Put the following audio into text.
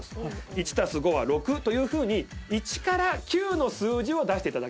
１＋５は６というふうに１から９の数字を出していただきたいですね。